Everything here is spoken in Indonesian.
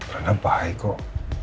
rena baik kok